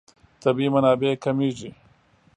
طبیعي منابع کمېږي.